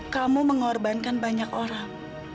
kamu mengorbankan banyak orang